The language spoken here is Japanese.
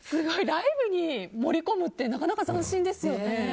ライブに盛り込むってなかなか斬新ですよね。